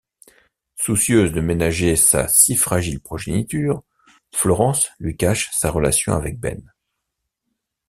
Soucieuse de ménager sa si fragile progéniture, Florence lui cache sa relation avec Ben.